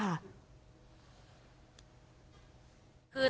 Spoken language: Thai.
ให้รักษาตรีแทน